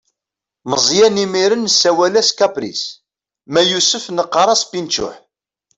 Meẓyan imir-n nessawal-as kapris, ma yusef neqqaṛ-as pinčuḥ.